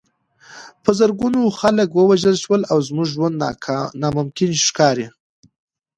په زرګونو خلک ووژل شول او زموږ ژوند ناممکن ښکاري